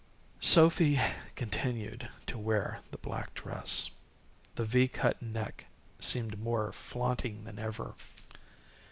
Sophy continued to wear the black dress. The V cut neck seemed more flaunting than ever.